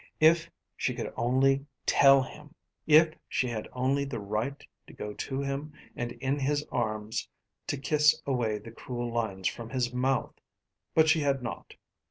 If she could only tell him! If she had only the right to go to him and in his arms to kiss away the cruel lines from his mouth! But she had not.